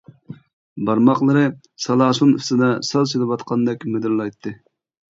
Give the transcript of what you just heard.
بارماقلىرى سالاسۇن ئۈستىدە ساز چېلىۋاتقاندەك مىدىرلايتتى.